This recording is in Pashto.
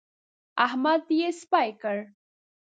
احمد يې سپي کړ.